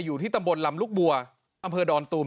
อยู่ที่ตำบลลำลูกบัวอำเภอดอนตูม